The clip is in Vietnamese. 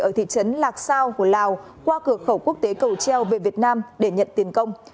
ở thị trấn lạc sao của lào qua cửa khẩu quốc tế cầu treo về việt nam để nhận tiền công